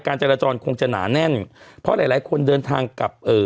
จราจรคงจะหนาแน่นเพราะหลายหลายคนเดินทางกับเอ่อ